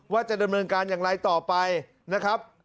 ว่าจะดำเนินการอย่างไรต่อไปนะครับ